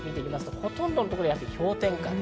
ほとんどのところで氷点下。